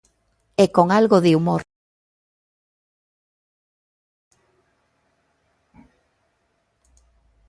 E con algo de humor.